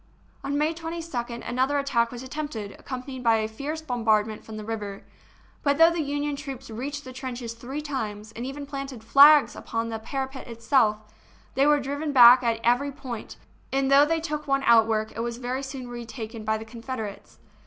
On May 22d another attack was attempted, ac companied by a fierce bombardment from the river ; but though the Union troops reached the trenches three times, and even planted flags upon the para pet itself, they were driven back at every point, and though they took one outwork, it was very soon retaken by the Confederates.